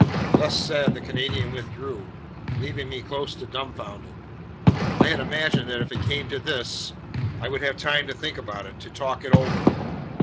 This said, the Canadian withdrew, leaving me close to dumbfounded. I had imagined that if it came to this, I would have time to think about it, to talk it over.